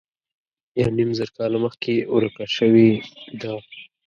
یو نیم زر کاله مخکې ورکه شوې ده.